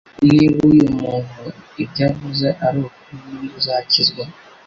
Niba uyu muntu ibyo avuze ari ukuri ninde uzakizwa?